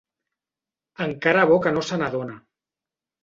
Encara bo que no se n'adona.